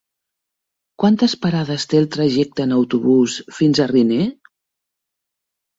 Quantes parades té el trajecte en autobús fins a Riner?